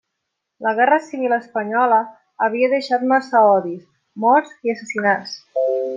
La Guerra Civil espanyola havia deixat massa odis, morts i assassinats.